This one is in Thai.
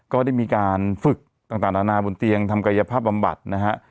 ก็ได้มีการฝึกต่างนานาบนเตียงทำกายภาพบำบัดนะฮะ